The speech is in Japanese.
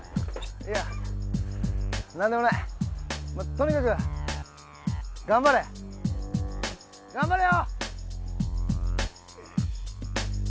いや何でもないとにかくがんばれがんばれよ！